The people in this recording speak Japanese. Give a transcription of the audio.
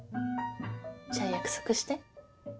じゃあ約束して。